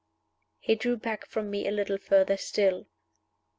He drew back from me a little further still.